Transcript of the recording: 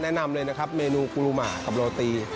แนะนำเลยนะครับเมนูกูรูหมากับโรตี